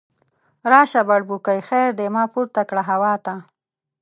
راشه بړبوکۍ خیر دی، ما پورته کړه هوا ته